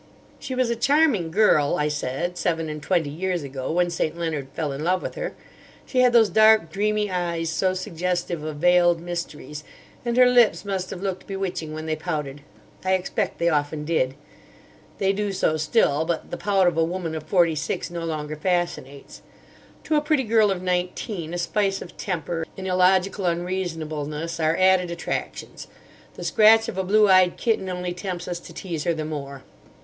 "She was a charming girl," I said, "seven and twenty years ago, when St. Leonard fell in love with her. She had those dark, dreamy eyes so suggestive of veiled mysteries; and her lips must have looked bewitching when they pouted. I expect they often did. They do so still; but the pout of a woman of forty six no longer fascinates. To a pretty girl of nineteen a spice of temper, an illogical unreasonableness, are added attractions: the scratch of a blue eyed kitten only tempts us to tease her the more.